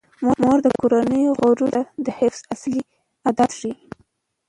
مور د کورنۍ غړو ته د حفظ الصحې عادات ښيي.